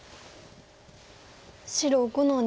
白５の二。